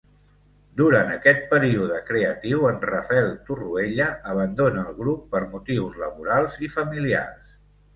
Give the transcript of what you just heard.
Durant aquest període creatiu en Rafel Torroella abandona el grup per motius laborals i familiars.